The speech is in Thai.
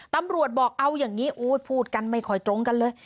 ตำรวจบอกเอาอย่างนี้พูดกันไม่ค่อยตรงกันเลย